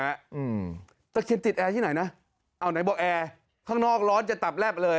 อืมตะเคียนติดแอร์ที่ไหนนะเอาไหนบอกแอร์ข้างนอกร้อนจะตับแลบเลย